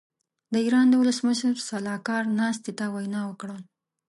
د ايران د ولسمشر سلاکار ناستې ته وینا وکړه.